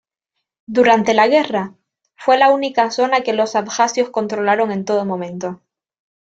Durante la guerra, fue la única zona que los abjasios controlaron en todo momento.